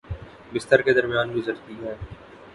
بستر کے درمیان گزرتی ہے